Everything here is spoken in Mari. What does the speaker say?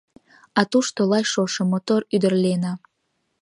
А тушто — лай шошо, мотор ӱдыр Лена.